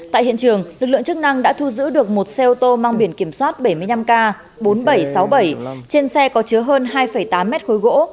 tại hiện trường lực lượng chức năng đã thu giữ được một xe ô tô mang biển kiểm soát bảy mươi năm k bốn nghìn bảy trăm sáu mươi bảy trên xe có chứa hơn hai tám mét khối gỗ